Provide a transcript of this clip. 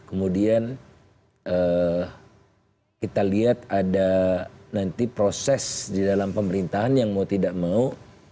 kemudian kita lihat ada nanti proses di dalam pemerintahan yang mau tidak mau